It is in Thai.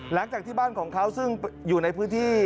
หลังจากที่บ้านของเขาซึ่งอยู่ในพื้นที่